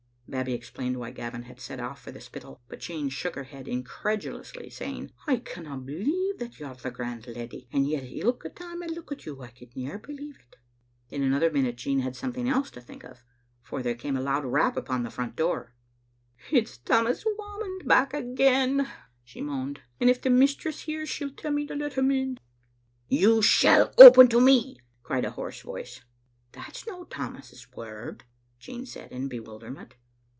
Babbie explained why Gavin had set off for the Spit tal ; but Jean shook her head incredulously, saying, " I canna believe you're that grand leddy, and yet ilka time I look at you I could near believe it. " In another minute Jean had something else to think of, for there came a loud rap upon the front door. "It's Tammas Whamond back again," she moaned; "and if the mistress hears, she'll tell me to let him in." "You shall open to me," cried a hoarse voice. "That's no Tammas* word," Jean said in bewilder ment.